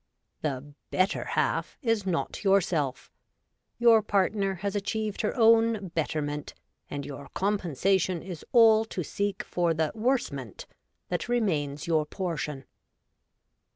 The ' better half ' is not yourself ; your partner has achieved her own ' betterment,' and your compensation is all to seek for the ' worsement ' that remains your portion.